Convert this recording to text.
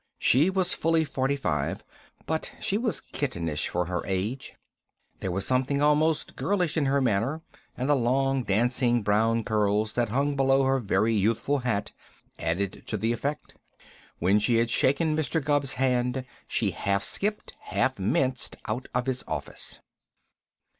She was fully forty five, but she was kittenish for her age. There was something almost girlish in her manner, and the long, dancing brown curls that hung below her very youthful hat added to the effect. When she had shaken Mr. Gubb's hand she half skipped, half minced out of his office.